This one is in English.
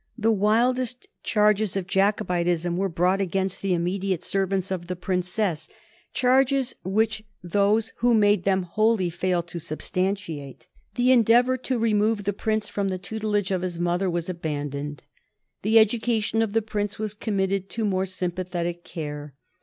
The wildest charges of Jacobitism were brought against the immediate servants of the Princess, charges which those who made them wholly failed to substantiate. The endeavor to remove the Prince from the tutelage of his mother was abandoned. The education of the Prince was committed to more sympathetic care.